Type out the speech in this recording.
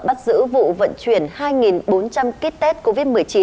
bắt giữ vụ vận chuyển hai bốn trăm linh kit test covid một mươi chín